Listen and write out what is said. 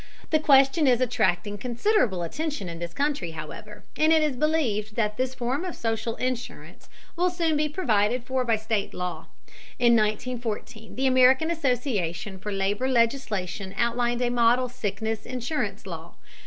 The question is attracting considerable attention in this country, however, and it is believed that this form of social insurance will soon be provided for by state law. In 1914 the American Association for Labor Legislation outlined a model sickness insurance law.